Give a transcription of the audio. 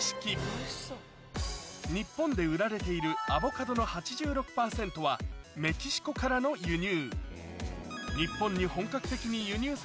日本で売られているアボカドの８６％はメキシコからの輸入